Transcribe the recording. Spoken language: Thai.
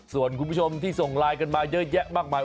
ส่วนคุณผู้ชมที่ส่งไลน์กันมาเยอะแยะมากมาย